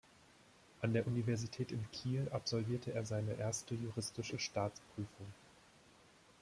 An der Universität in Kiel absolvierte er seine Erste Juristische Staatsprüfung.